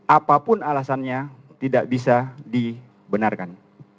apapun alasannya tidak bisa dibenarkan